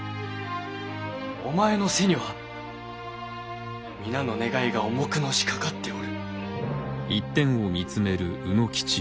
お前の背には皆の願いが重くのしかかっておる。